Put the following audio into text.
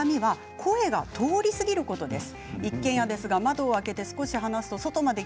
声が通り過ぎるということです。